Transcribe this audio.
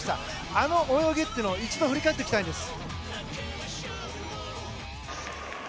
あの泳ぎというのを一度振り返っておきたいんです。